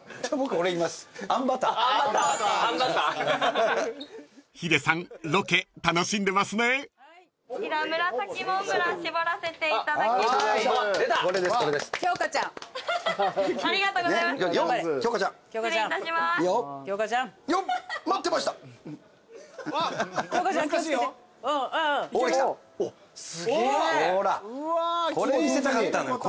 これ見せたかったのよ。